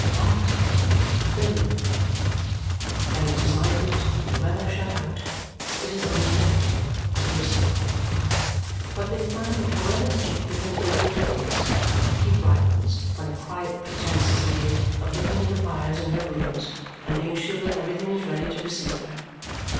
Light the room!" When it is lighted and the weather shut out, it is only left to him to listen. But they find that however dejected and ill he is, he brightens when a quiet pretence is made of looking at the fires in her rooms and being sure that everything is ready to receive her.